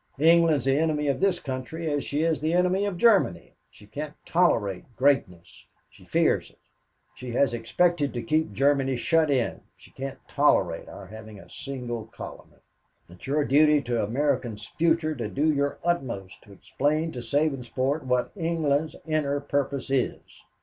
England is the enemy of this country as she is the enemy of Germany. She can't tolerate greatness. She fears it. She has expected to keep Germany shut in; she can't tolerate our having a single colony. It's your duty to America's future to do your utmost to explain to Sabinsport what England's inner purpose is.